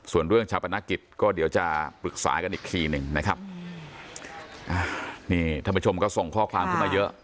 ส่วนเรื่องชาปนกิจก็เดี๋ยวจะปรึกษากันอีกทีหนึ่งนะครับนี่ท่านผู้ชมก็ส่งข้อความขึ้นมาเยอะ